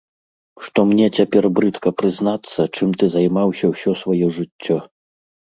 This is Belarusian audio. Што мне цяпер брыдка прызнацца, чым ты займаўся ўсё сваё жыццё.